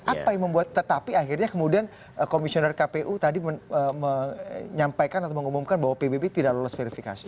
apa yang membuat tetapi akhirnya kemudian komisioner kpu tadi menyampaikan atau mengumumkan bahwa pbb tidak lolos verifikasi